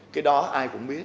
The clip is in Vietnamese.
cái đó ai cũng biết